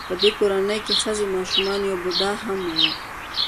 په دې کورنۍ کې ښځې ماشومان او یو بوډا هم و